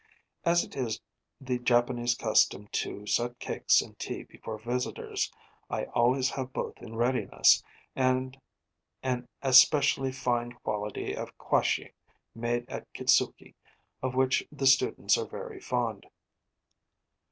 As it is the Japanese custom to set cakes and tea before visitors, I always have both in readiness, and an especially fine quality of kwashi, made at Kitzuki, of which the students are very fond.